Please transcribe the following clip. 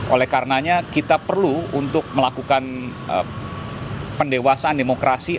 oleh karenanya kita perlu untuk melakukan pendewasaan demokrasi